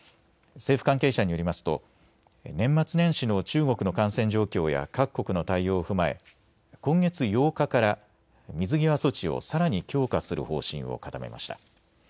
政府関係者によりますと年末年始の中国の感染状況や各国の対応を踏まえ今月８日から水際措置をさらに強化する方針を固めました。